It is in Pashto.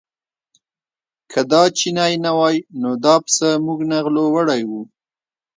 که دا چینی نه وای نو دا پسه موږ نه غلو وړی و.